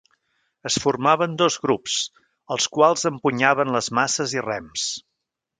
Es formaven dos grups, els quals empunyaven les masses i rems.